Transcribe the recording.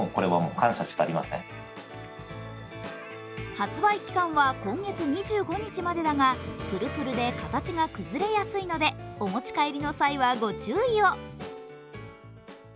発売期間は今月２５日までだが、プルプルで形が崩れやすいのでお持ち帰りの際はご注意を。